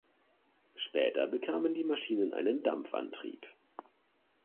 Später bekamen die Maschinen einen Dampfantrieb.